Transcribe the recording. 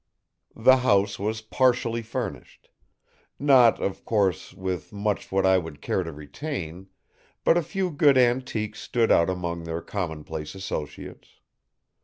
The house was partially furnished. Not, of course, with much that I would care to retain, but a few good antiques stood out among their commonplace associates.